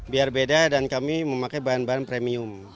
biar beda dan kami memakai bahan bahan premium